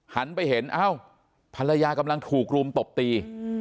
หันไปเห็นเอ้าภรรยากำลังถูกรุมตบตี